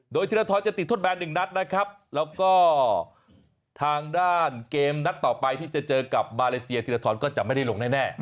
โดยธิรทรจะติดทดแบน๑นัดนะครับแล้วก็ทางด้านเกมนัดต่อไปที่จะเจอกับมาเลเซียธิรทรก็จะไม่ได้ลงแน่